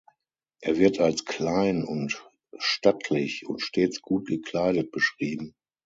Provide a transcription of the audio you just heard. Er wird als klein und stattlich und stets gut gekleidet beschrieben.